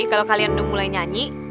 kalau kalian udah mulai nyanyi